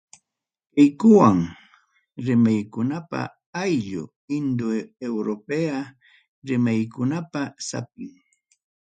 Kaykuman rimaykunapa ayllu, indo europea rimaykunapa sapin.